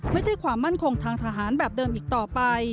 ไม่ใช่ความมั่นคงทางทหารแบบเดิมอีกต่อไป